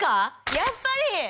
やっぱり！